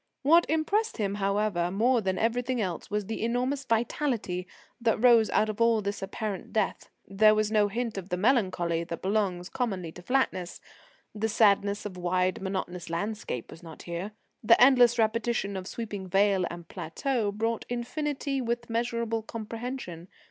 What impressed him, however, more than everything else was the enormous vitality that rose out of all this apparent death. There was no hint of the melancholy that belongs commonly to flatness; the sadness of wide, monotonous landscape was not here. The endless repetition of sweeping vale and plateau brought infinity within measurable comprehension.